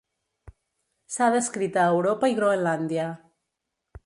S'ha descrit a Europa i Groenlàndia.